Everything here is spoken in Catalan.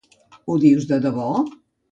Ho dius de debò?